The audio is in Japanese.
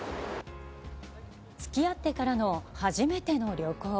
つきあってからの初めての旅行。